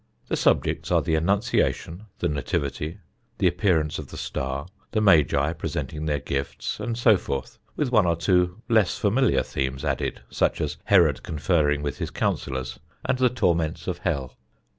The subjects are the Annunciation, the Nativity, the appearance of the Star, the Magi presenting their Gifts, and so forth, with one or two less familiar themes added, such as Herod conferring with his Counsellors and the Torments of Hell.